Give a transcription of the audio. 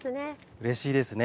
うれしいですね。